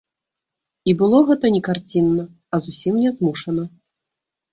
І было гэта не карцінна, а зусім нязмушана.